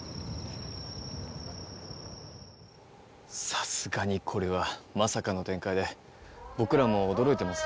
さすがにこれはまさかの展開で僕らも驚いてます。